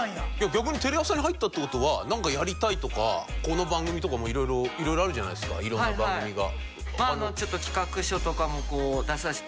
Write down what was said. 逆にテレ朝に入ったって事はなんかやりたいとかこの番組とかもいろいろいろいろあるじゃないですかいろんな番組が。